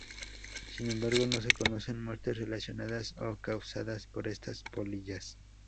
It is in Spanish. Sin embargo, no se conocen muertes relacionadas o causadas por estas polillas.